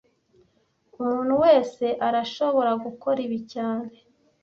Umuntu wese arashobora gukora ibi cyane